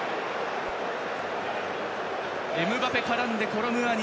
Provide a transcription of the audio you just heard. エムバペが絡んで、コロムアニ。